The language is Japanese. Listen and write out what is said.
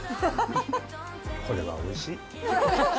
これはおいしい。